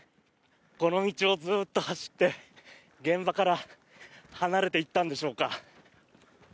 この道をずっと走って現場から離れていったんでしょうか。